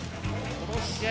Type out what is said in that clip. この試合